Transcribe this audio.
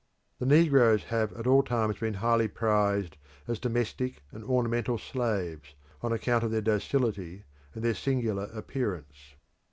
The negroes have at all times been highly prized as domestic and ornamental slaves, on account of their docility and their singular appearance.